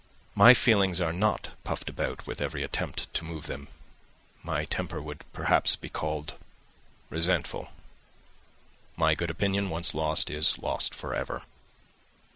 My feelings are not puffed about with every attempt to move them. My temper would perhaps be called resentful. My good opinion once lost is lost for ever."